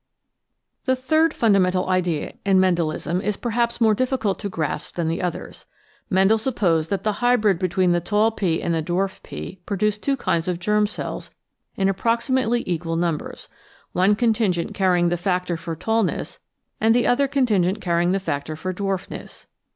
S 7 The third fundamental idea in Mendelism is perhaps more difficult to grasp than the others. Mendel supposed that the hybrid between the tall pea and the dwarf pea produced two kinds of germ cells in approximately equal numbers — one con 8M The Outline of Sdenoe tingent carrying the factor for tallness and the other contingent carrying the factor for dwarf ness.